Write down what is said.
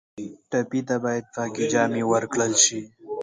ټپي ته باید پاکې جامې ورکړل شي.